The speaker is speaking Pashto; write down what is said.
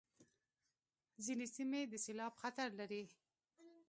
ځینې سیمې د سېلاب خطر لري.